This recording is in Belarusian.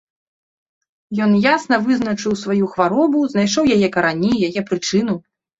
Ён ясна вызначыў сваю хваробу, знайшоў яе карані, яе прычыну.